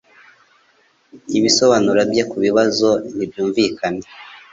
Ibisobanuro bye kubibazo ntibyumvikana.